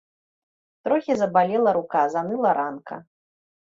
Трохі забалела рука, заныла ранка.